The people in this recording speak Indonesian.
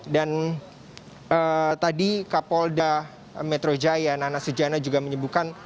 dan tadi kapolda metro jaya nana sujana juga menyebutkan